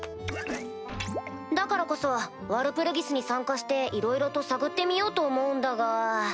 だからこそワルプルギスに参加していろいろと探ってみようと思うんだが。